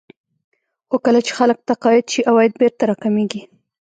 خو کله چې خلک تقاعد شي عواید بېرته راکمېږي